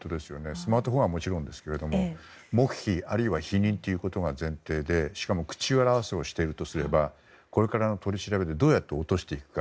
スマートフォンはもちろんですが黙秘、あるいは否認が前提でしかも口裏合わせをしていたとなればこれからの取り調べでどうやって落としていくか。